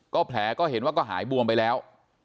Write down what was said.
แผลก็เห็นว่าก็หายบวมไปแล้ว